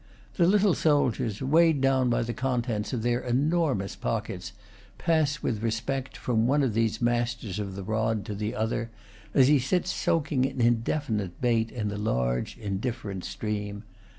The little soldiers, weighed down by the contents of their enormous pockets, pass with respect from one of these masters of the rod to the other, as he sits soaking an indefinite bait in the large, indifferent stream.